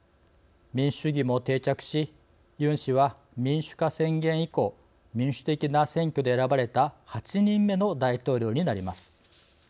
民主主義も定着し、ユン氏は民主化宣言以降民主的な選挙で選ばれた８人目の大統領になります。